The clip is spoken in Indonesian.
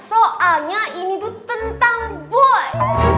soalnya ini tuh tentang boy